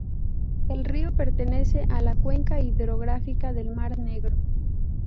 El río pertenece a la cuenca hidrográfica del mar Negro.